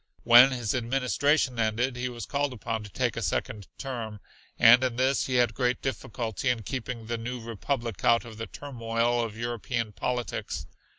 When his administration ended he was called upon to take a second term, and in this he had great difficulty in keeping the new republic out of the turmoil of European politics.